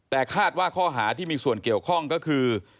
แต่คาดว่าข้อหาที่มีส่วนเกี่ยวข้องก็คือ